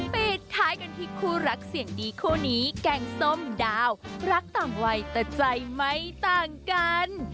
ปิดท้ายกันที่คู่รักเสียงดีคู่นี้แกงส้มดาวรักต่างวัยแต่ใจไม่ต่างกัน